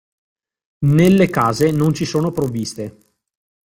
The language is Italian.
Nelle case non ci sono provviste.